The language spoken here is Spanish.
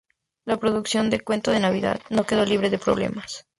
La producción de "Cuento de Navidad" no quedó libre de problemas.